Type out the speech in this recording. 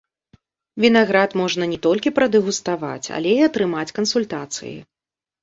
Вінаград можна не толькі прадэгуставаць, але і атрымаць кансультацыі.